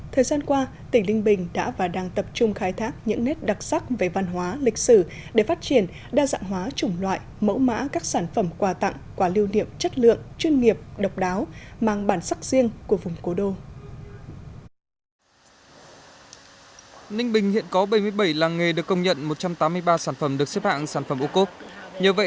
thời gian qua tỉnh linh bình đã và đang tập trung khai thác những nét đặc sắc về văn hóa lịch sử để phát triển đa dạng hóa chủng loại mẫu mã các sản phẩm quà tặng quà lưu niệm chất lượng chuyên nghiệp độc đáo mang bản sắc riêng của vùng cố đô